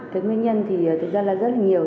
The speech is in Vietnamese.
cái nguyên nhân thì thật ra là rất là nhiều